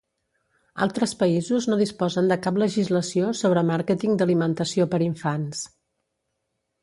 Altres països no disposen de cap legislació sobre màrqueting d'alimentació per infants.